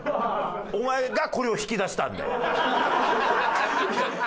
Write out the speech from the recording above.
お前がこれを引き出したんだよ。